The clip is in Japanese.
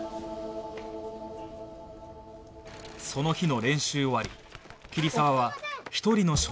その日の練習終わり桐沢は一人の少年と出会う